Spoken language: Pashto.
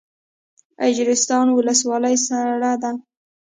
اجرستان ولسوالۍ سړه ده؟